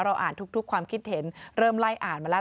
อ่านทุกความคิดเห็นเริ่มไล่อ่านมาแล้ว